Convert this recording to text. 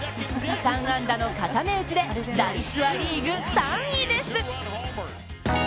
３安打の固め打ちで打率はリーグ３位です！